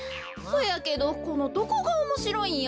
そやけどこのどこがおもしろいんや？